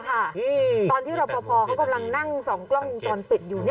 ตอนที่รบปะพอเขากำลังนั่ง๒กล้องมุมจอลปิดอยู่